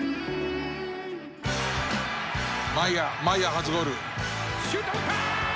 マイヤー初ゴール。